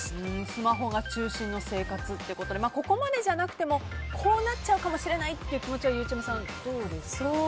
スマホが中心の生活ということでここまでじゃなくてもこうなっちゃうかもしれないという気持ちはゆうちゃみさん